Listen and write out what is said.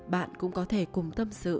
bạn cũng có thể cùng tâm sự